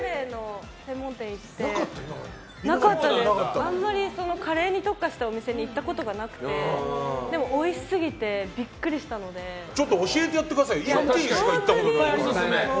あまりカレーに特化したお店に行ったことがなくてでも、おいしすぎてちょっと教えてやってください。